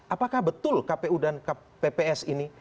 apakah betul kpu dan pps ini